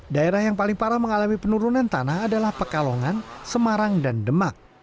daerah yang paling parah mengalami penurunan tanah adalah pekalongan semarang dan demak